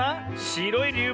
しろいりゅう